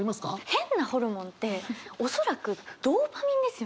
「変なホルモン」って恐らくドーパミンですよね？